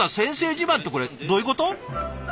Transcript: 自慢ってこれどういうこと？